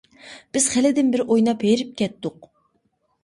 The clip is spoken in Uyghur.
بىز خېلىدىن بىرى ئويناپ ھېرىپ كەتتۇق.